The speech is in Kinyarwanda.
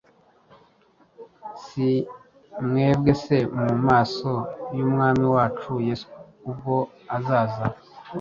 Si mwebwe se, mu maso y’Umwami wacu Yesu ubwo azaza?